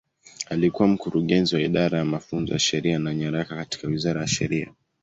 Alikuwa Mkurugenzi wa Idara ya Mafunzo ya Sheria na Nyaraka katika Wizara ya Sheria.